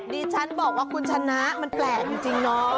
นี่ฉันบอกว่าคุณชนะมันแปลกจริงน้อง